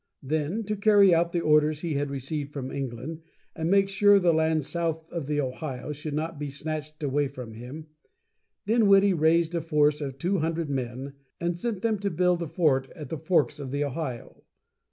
Then, to carry out the orders he had received from England, and make sure the land south of the Ohio should not be snatched away from him, Dinwiddie raised a force of two hundred men, and sent them to build a fort at the forks of the Ohio.